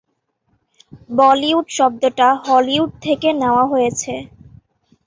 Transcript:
বলিউড শব্দটা হলিউড থেকে নেওয়া হয়েছে।